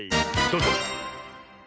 どうぞ。